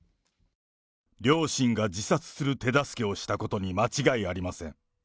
両親が自殺する手助けをしたことに間違いありません。